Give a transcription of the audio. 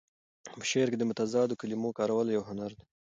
په شعر کې د متضادو کلمو کارول یو هنر دی.